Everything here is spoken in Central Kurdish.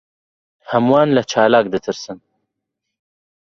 ھەمووان لە چالاک دەترسن.